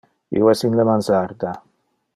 Io es in le mansarda.